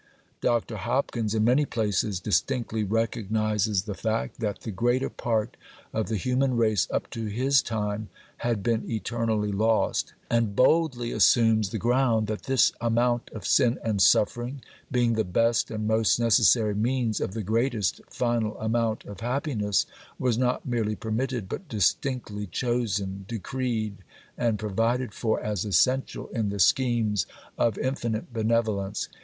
Dr. Hopkins, in many places, distinctly recognizes the fact, that the greater part of the human race, up to his time, had been eternally lost; and boldly assumes the ground, that this amount of sin and suffering, being the best and most necessary means of the greatest final amount of happiness, was not merely permitted, but distinctly chosen, decreed, and provided for, as essential in the schemes of Infinite Benevolence.